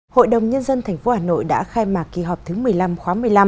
hội đồng nhân dân tp hà nội đã khai mạc kỳ họp thứ một mươi năm khóa một mươi năm